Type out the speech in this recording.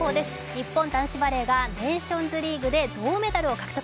日本男子バレーがネーションズリーグで銅メダルを獲得。